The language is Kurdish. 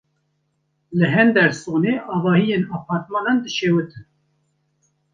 Li Hendersonê avahiyên apartmanan dişewitin.